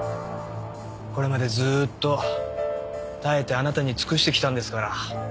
これまでずーっと耐えてあなたに尽くしてきたんですから。